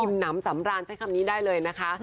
น้ำสำราญใช้คำนี้ได้เลยนะคะ